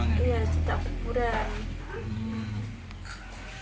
iya disengat berpura